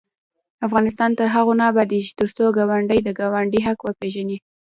افغانستان تر هغو نه ابادیږي، ترڅو ګاونډي د ګاونډي حق وپيژني.